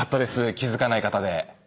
気付かない方で。